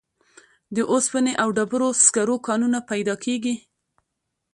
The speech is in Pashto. د اوسپنې او ډبرو سکرو کانونه پیدا کیږي.